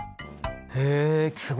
へえすごいね。